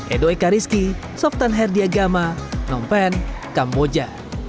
edo eka rizky softan herdiagama nompen kamboja